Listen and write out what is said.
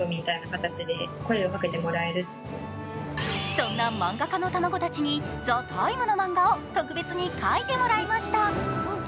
そんな漫画家の卵たちに「ＴＨＥＴＩＭＥ，」の漫画を特別に描いてもらいました。